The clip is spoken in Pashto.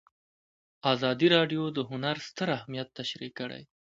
ازادي راډیو د هنر ستر اهميت تشریح کړی.